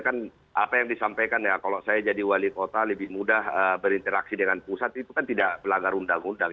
kan apa yang disampaikan ya kalau saya jadi wali kota lebih mudah berinteraksi dengan pusat itu kan tidak melanggar undang undang